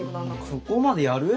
そこまでやる？